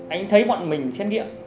anh thấy bọn mình xét nghiệm